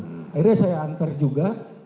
akhirnya saya antar juga